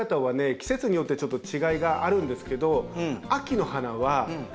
季節によってちょっと違いがあるんですけど。